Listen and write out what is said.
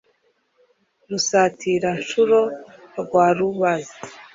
rusatira-nshuro rwa rubazi